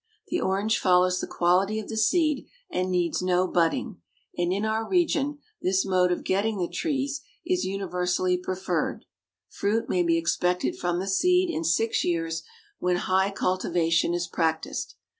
The orange follows the quality of the seed, and needs no budding; and in our region this mode of getting the trees is universally preferred. Fruit may be expected from the seed in six years, when high cultivation is practised.